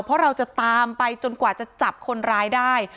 เพราะเราจะตามไปจนกว่าจะจับคนร้ายได้